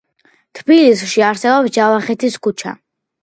თბილისში არსებობს ჯავახეთის ქუჩა.